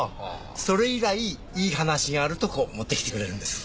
それ以来いい話があるとこう持ってきてくれるんです。